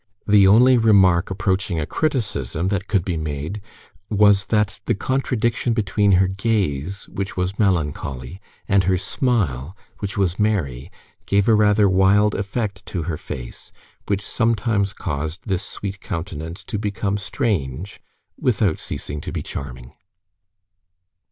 The only remark approaching a criticism, that could be made, was, that the contradiction between her gaze, which was melancholy, and her smile, which was merry, gave a rather wild effect to her face, which sometimes caused this sweet countenance to become strange without ceasing to be charming.